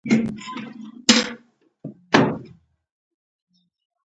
شال د سیند اوبه د یو ځای څخه بل ځای ته رسولې.